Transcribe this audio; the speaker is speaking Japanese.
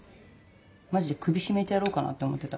マジで首絞めてやろうかなって思ってた。